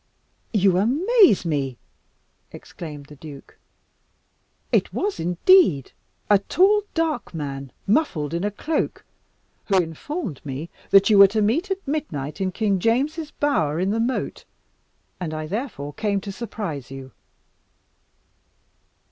"You amaze me!" exclaimed the duke; "it was indeed a tall dark man, muffled in a cloak, who informed me that you were to meet at midnight in King James's bower in the moat, and I therefore came to surprise you."